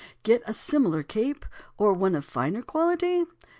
Get a similar cape, or one of finer quality?